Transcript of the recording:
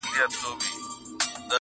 ما ته دي نه ګوري قلم قلم یې کړمه-